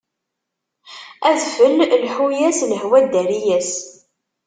Adfel lḥu-as, lehwa ddari-as.